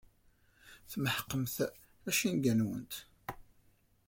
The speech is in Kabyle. Tmeḥqemt icenga-nwent.